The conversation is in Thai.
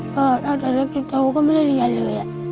ก็ถ้าจะเรียกจริงก็ไม่ได้เรียนเลย